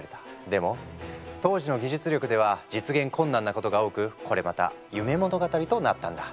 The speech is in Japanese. でも当時の技術力では実現困難なことが多くこれまた夢物語となったんだ。